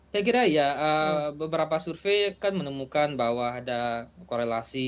saya kira ya beberapa survei kan menemukan bahwa ada korelasi